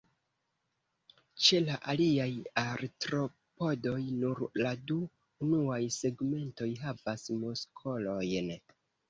Ĉe la aliaj Artropodoj, nur la du unuaj segmentoj havas muskolojn.